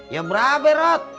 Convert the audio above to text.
ya berabe rot